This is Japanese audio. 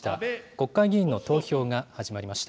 国会議員の投票が始まりました。